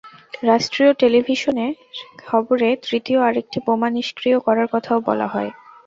রাষ্ট্রীয় টেলিভিশনের খবরে তৃতীয় আরেকটি বোমা নিষ্ক্রিয় করার কথাও বলা হয়।